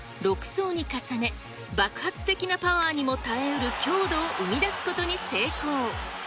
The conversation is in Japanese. それを独自の縫製技術で６層に重ね、爆発的なパワーにも耐えうる強度を生み出すことに成功。